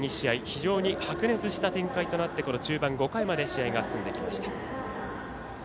非常に白熱した展開となって中盤５回まで試合が進んできました。